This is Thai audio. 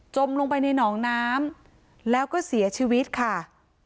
ลงไปในหนองน้ำแล้วก็เสียชีวิตค่ะ